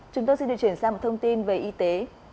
chúng tôi xin được chuyển sang một thông tin về y tế